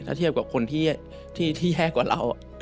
ถ้าเทียบกับคนที่แย่กว่าเรา